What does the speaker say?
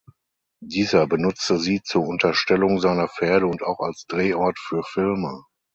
Dieser benutzte sie zur Unterstellung seiner Pferde und auch als Drehort für Filme.